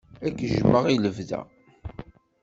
Ad k-jjmeɣ i lebda.